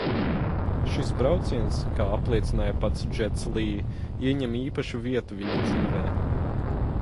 Šis brauciens, kā apliecināja pats Džets Lī, ieņem īpašu vietu viņa dzīvē.